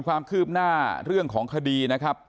ความคืบหน้าเรื่องของคดีนะครับ